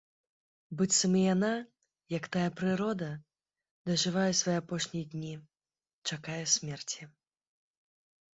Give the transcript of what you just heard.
Быццам і яна, як тая прырода, дажывае свае апошнія дні, чакае смерці.